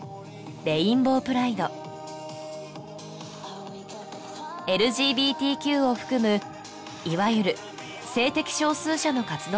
レインボープライドＬＧＢＴＱを含むいわゆる性的少数者の活動は